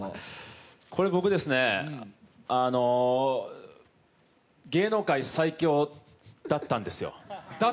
僕、芸能界最強だったんですよ。